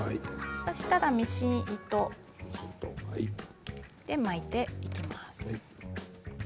そうしたらミシン糸で巻いていきます。